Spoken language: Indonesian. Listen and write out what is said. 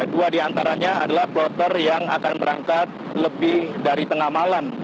dua diantaranya adalah kloter yang akan berangkat lebih dari tengah malam